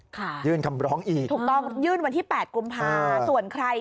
ยื่นคำร้องอีกถูกต้องยื่นวันที่แปดกุมภาส่วนใคร